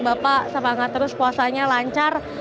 bapak semangat terus puasanya lancar